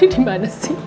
ini dimana sih